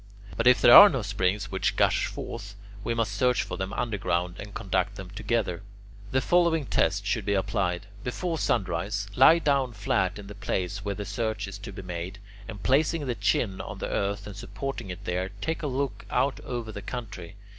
But if there are no springs which gush forth, we must search for them underground, and conduct them together. The following test should be applied. Before sunrise, lie down flat in the place where the search is to be made, and placing the chin on the earth and supporting it there, take a look out over the country.